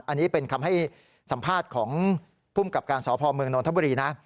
อันนี้เป็นคำให้สัมภาษณ์ของภูมิกับการสพเมืองนทบุรีนะ